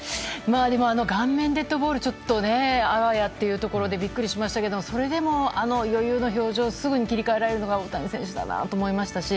でも、顔面デッドボールあわやでビックリしましたがそれでも、あの余裕の表情すぐに切り替えられるのが大谷選手だなと思いましたし